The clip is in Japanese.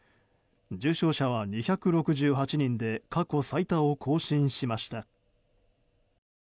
重症者は２６８人で過去最多を更新しました。